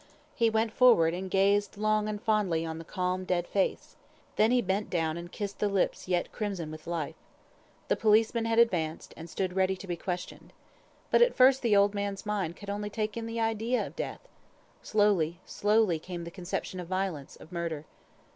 He went forward and gazed long and fondly on the calm, dead face; then he bent down and kissed the lips yet crimson with life. The policemen had advanced and stood ready to be questioned. But at first the old man's mind could only take in the idea of death; slowly, slowly came the conception of violence, of murder.